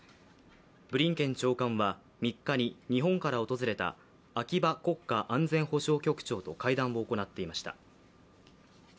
ブリンケン長官は３日に日本から訪れた秋葉国家安全保障局長と会談を行っていました。